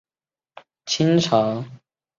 清朝品等为从一品。